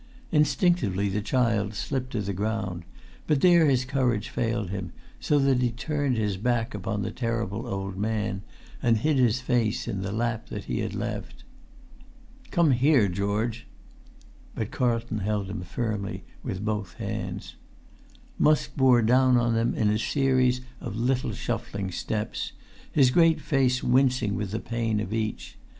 Instinctively the child slipped to the ground; but there his courage failed him, so that he turned his back upon the terrible old man, and hid his face in the lap that he had left. "Come here, George!" But Carlton held him firmly with both hands. [Pg 283]Musk bore down on them in a series of little shuffling steps, his great face wincing with the pain of each.